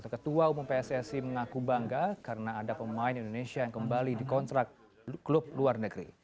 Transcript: ketua umum pssi mengaku bangga karena ada pemain indonesia yang kembali dikontrak klub luar negeri